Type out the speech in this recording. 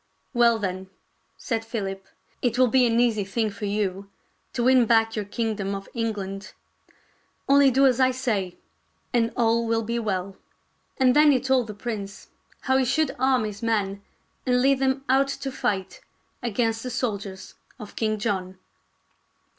" Well, then," said Philip, " it will be an easy thing for you to win back your kingdom of Eng land. Only do as I say, and all will be well." And then he told the prince how he should arm his men and lead them out to fight against the soldiers of King John.